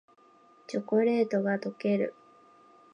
チョコレートがとける